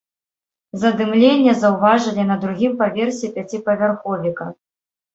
Задымленне заўважылі на другім паверсе пяціпавярховіка.